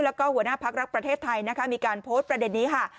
แล้วก็หัวหน้าพักรักประเทศไทยนะคะมีการโพสต์ประเด็นนี้ค่ะ